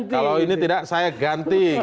kalau ini tidak saya ganti